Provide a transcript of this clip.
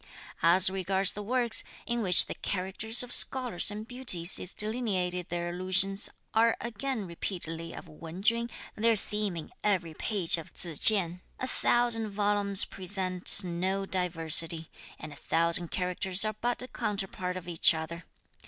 "As regards the works, in which the characters of scholars and beauties is delineated their allusions are again repeatedly of Wen Chün, their theme in every page of Tzu Chien; a thousand volumes present no diversity; and a thousand characters are but a counterpart of each other.